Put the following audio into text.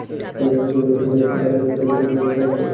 প্রকল্পের সভাপতি আহাদ আলী সরদারের মুঠোফোন বন্ধ থাকায় কথা বলা যায়নি।